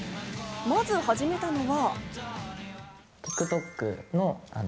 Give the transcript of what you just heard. まず始めたのは。